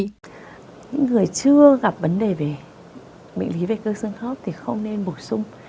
những người chưa gặp vấn đề về bệnh lý về cơ sương khớp thì không nên bổ sung